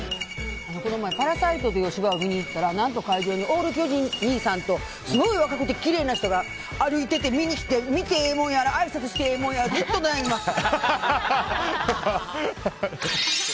この前、「パラサイト」っていうお芝居を見に行ったら何と、会場にオール巨人兄さんとすごい若くてきれいな人が歩いてて、見に来てて見てええもんやらあいさつしてええもんやらずっと悩みました。